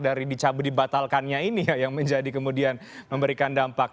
dari dibatalkannya ini yang menjadi kemudian memberikan dampak